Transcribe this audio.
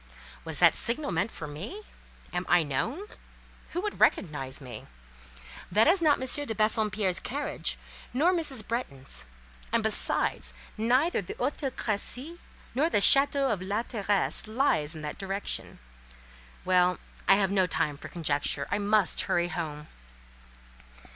Was that signal meant for me? Am I known? Who could recognise me? That is not M. de Bassompierre's carriage, nor Mrs. Bretton's; and besides, neither the Hôtel Crécy nor the château of La Terrasse lies in that direction. Well, I have no time for conjecture; I must hurry home.